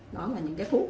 đó là những thuốc